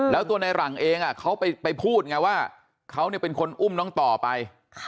แล้วตัวในหลังเองเขาไปพูดไงว่าเขาเป็นคนอุ้มน้องต่อไป